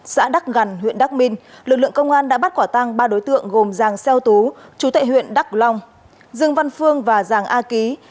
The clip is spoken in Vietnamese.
xin chào và hẹn gặp lại